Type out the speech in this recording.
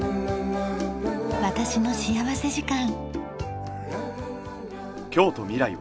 『私の幸福時間』。